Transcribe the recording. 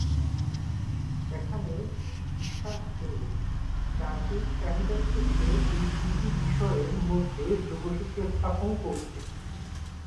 এখানে বিশ্বাস জরুরী, যান্ত্রিক চাহিদার ক্ষেত্রে এই দুটি বিষয়ের মধ্যে যোগসূত্র স্থাপন করতে।